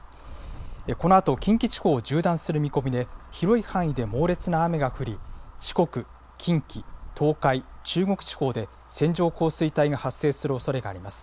このあと近畿地方を縦断する見込みで、広い範囲で猛烈な雨が降り、四国、近畿、東海、中国地方で、線状降水帯が発生するおそれがあります。